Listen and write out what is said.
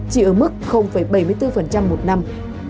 chỉ ở mức bảy mươi bốn một năm